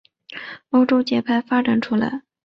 欧洲节拍发展出来。